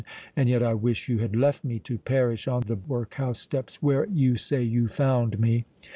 —and yet I wish you had left me to perish on the workhouse steps where, you say, you found me.